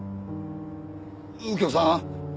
右京さん。